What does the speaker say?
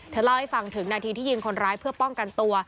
เล่าให้ฟังถึงนาทีที่ยิงคนร้ายเพื่อป้องกันตัว